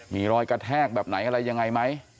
มีรอยกระแทกแบบไหนอะไรยังไงไหม